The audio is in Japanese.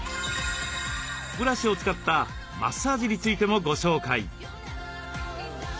ブラシを使ったマッサージについてもご紹介。